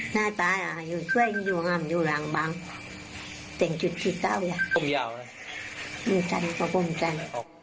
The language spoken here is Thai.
คนที่บอกว่าเรารูปเหล่าน่าตาเป็นสุด